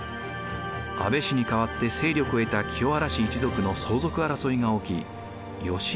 安倍氏に代わって勢力を得た清原氏一族の相続争いが起き義家が介入。